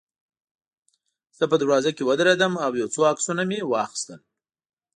زه په دروازه کې ودرېدم او یو څو عکسونه مې واخیستل.